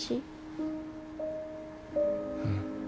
うん。